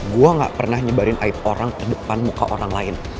gue gak pernah nyebarin aib orang terdepan muka orang lain